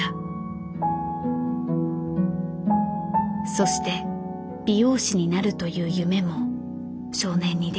そして美容師になるという夢も少年にできた。